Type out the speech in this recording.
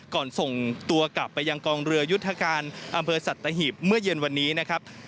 ส่งตัวกลับไปยังกองเรือยุทธการอำเภอสัตหีบเมื่อเย็นวันนี้นะครับ